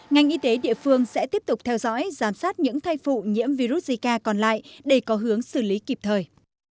ngành y tế địa phương sẽ tiếp tục theo dõi giám sát những thai phụ nhiễm virus zi ca còn lại để có hướng xử lý kịp thời